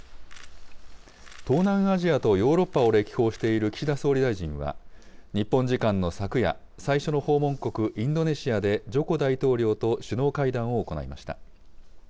東南アジアとヨーロッパを歴訪している岸田総理大臣は、日本時間の昨夜、最初の訪問国、インドネシアでジョコ大統領と首脳会談を行いました。